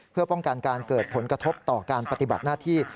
เพื่อป้องกันการเกิดผลกระทบต่อการปฏิบัติหน้าที่